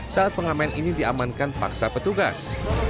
saat pengamen ini diamankan paksa petugas